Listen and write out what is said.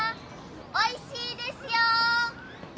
おいしいですよ。